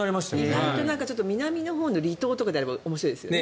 意外と南のほうの離島とかあれば面白いですよね。